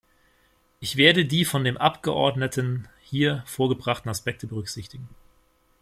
Ich werde die von dem Abgeordneten hier vorgebrachten Aspekte berücksichtigen.